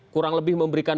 kurang lebih memberikan